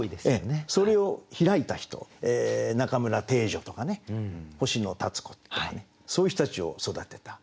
それを開いた人中村汀女とかね星野立子とかねそういう人たちを育てた。